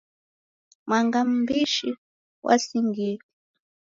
Manga mbishi wasingiye.